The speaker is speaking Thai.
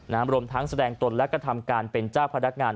น้ำรมทั้งแสดงตนและกระทำการเป็นจ้าพระดักงาน